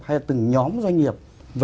hay là từng nhóm doanh nghiệp